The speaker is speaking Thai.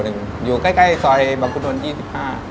คือลูกค้าเข้าตลอดเวลา